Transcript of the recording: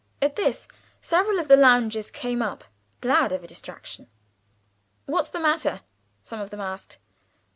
At this several of the loungers came up, glad of a distraction. "What's the matter?" some of them asked.